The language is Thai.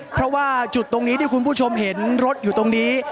เพราะว่าจุดตรงนี้ที่คุณผู้ชมเห็นรถอยู่ตรงนี้